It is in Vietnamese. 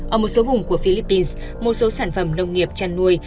ở một số vùng của philippines một số sản phẩm nông nghiệp chăn nuôi